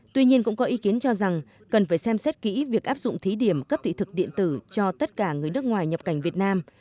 tuy nhiên cũng có ý kiến cho rằng cần phải xem xét kỹ việc áp dụng thí điểm cấp thị thực điện tử cho tất cả người nước ngoài nhập cảnh việt nam